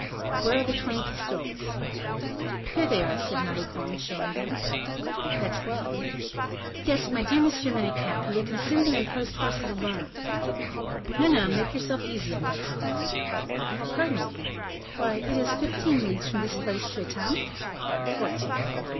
"Where are the twenty pistoles?" "Here they are," said Malicorne, showing them. "That's well." "Yes, but my dear M. Manicamp, you would consume them in post horses alone!" "No, no, make yourself easy on that score." "Pardon me. Why, it is fifteen leagues from this place to Etampes?" "Fourteen."